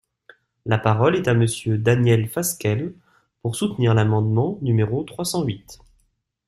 La parole est à Monsieur Daniel Fasquelle, pour soutenir l’amendement numéro trois cent huit.